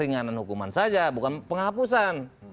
ini bukan penanganan hukuman saja bukan penghapusan